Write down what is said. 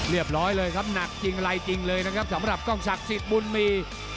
เรียบร้อยเลยครับหนักจริงอะไรจริงเลยนะครับสำหรับกล้องศักดิ์สิทธิ์บุญมี